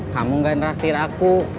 kamu nggak ngeraktir aku